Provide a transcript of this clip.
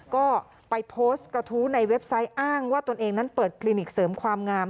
ก็ไปโพสต์กระทู้ในเว็บไซต์อ้างว่าตนเองนั้นเปิดคลินิกเสริมความงาม